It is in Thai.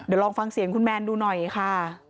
เดี๋ยวลองฟังเสียงคุณแมนดูหน่อยค่ะ